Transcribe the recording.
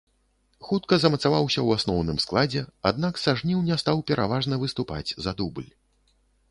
Хутка замацаваўся ў асноўным складзе, аднак са жніўня стаў пераважна выступаць за дубль.